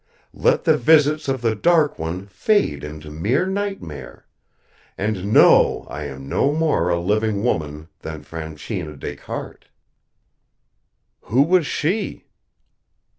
Let the visits of the Dark One fade into mere nightmare; and know I am no more a living woman than Franchina Descartes." "Who was she?"